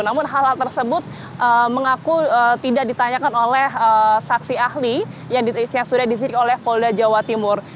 namun hal hal tersebut mengaku tidak ditanyakan oleh saksi ahli yang sudah disidik oleh polda jawa timur